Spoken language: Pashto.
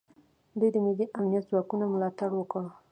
دوی د ملي امنیتي ځواکونو ملاتړ وکړ